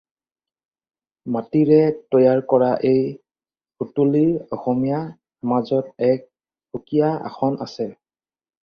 মাটিৰে তৈয়াৰ কৰা এই সুতুলিৰ অসমীয়া সমাজত এক সুকীয়া আসন আছে।